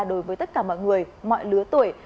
đối với tất cả mọi người mọi lứa tuổi